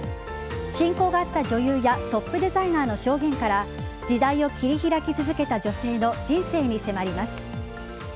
親交があった女優やトップデザイナーの証言から時代を切り開き続けた女性の人生に迫ります。